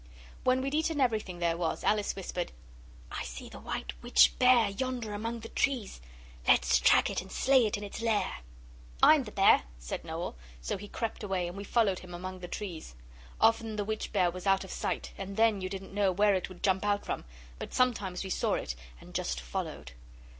When we'd eaten everything there was, Alice whispered 'I see the white witch bear yonder among the trees! Let's track it and slay it in its lair.' 'I am the bear,' said Noel; so he crept away, and we followed him among the trees. Often the witch bear was out of sight, and then you didn't know where it would jump out from; but sometimes we saw it, and just followed.